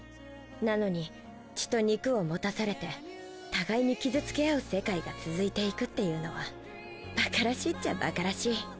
なのに血と肉を持たされて互いに傷つけ合う世界が続いていくっていうのはバカらしいっちゃバカらしい。